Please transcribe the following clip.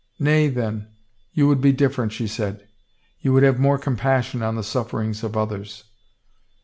" Nay, then, you would be different," she said. " You would have more com passion on the sufferings of others."